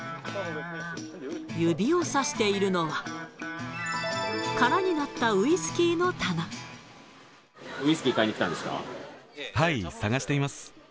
指を指しているのは、空になウイスキー買いに来たんですはい、探しています。